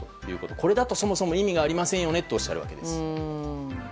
これだとそもそも意味がありませんとおっしゃるわけです。